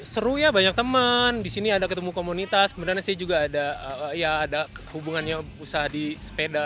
seru ya banyak teman disini ada ketemu komunitas kebenarnya sih juga ada hubungannya usaha di sepeda